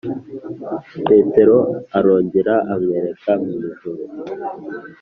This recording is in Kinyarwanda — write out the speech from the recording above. petero arongera amwereka mw'ijuru,